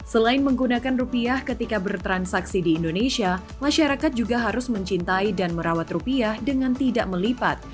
selain menggunakan rupiah ketika bertransaksi di indonesia masyarakat juga harus mencintai dan merawat rupiah dengan tidak melipat